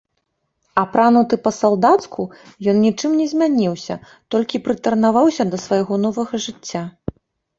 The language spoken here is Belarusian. Апрануты па-салдацку, ён нічым не змяніўся, толькі прытарнаваўся да свайго новага жыцця.